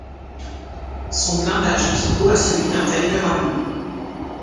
Son blindage équivaut à celui d'un Tiger allemand.